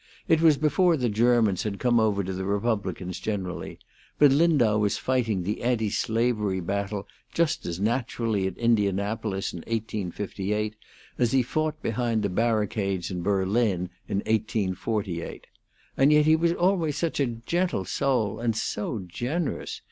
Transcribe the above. It was before the Germans had come over to the Republicans generally, but Lindau was fighting the anti slavery battle just as naturally at Indianapolis in 1858 as he fought behind the barricades at Berlin in 1848. And yet he was always such a gentle soul! And so generous!